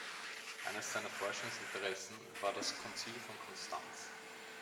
Eines seiner Forschungsinteressen war das Konzil von Konstanz.